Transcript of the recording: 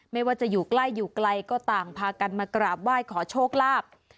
ไม่ว่าจะอยู่ใกล้อยู่ไกลก็ต่างพากันมากราบไหว้ขอโชคลาภ